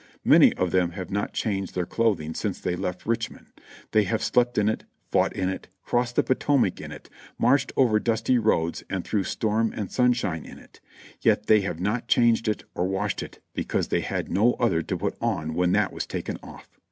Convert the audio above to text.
Many of them have not changed their clothing since they left Richmond ; they have slept in it, fought in it, crossed the Potomac in it, marched over dusty roads and through storm and sunshine in it, yet they have not changed it or washed it because they had no other to put on when that was taken off.